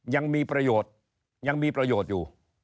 ยังมีประโยชน์ยังมีประโยชน์อยู่